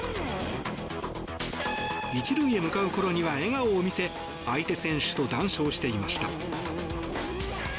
１塁へ向かう頃には笑顔を見せ相手選手と談笑していました。